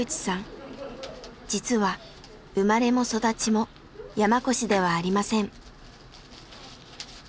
実は生まれも育ちも山古志ではありません。